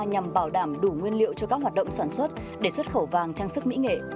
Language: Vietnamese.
nhằm bảo đảm đủ nguyên liệu cho các hoạt động sản xuất để xuất khẩu vàng trang sức mỹ nghệ